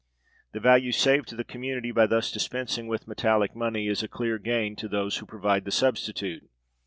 The value saved to the community by thus dispensing with metallic money is a clear gain to those who provide the substitute.